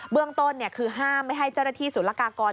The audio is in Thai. เบื้องต้นคือห้ามไม่ให้เจ้าหน้าที่สุรกากร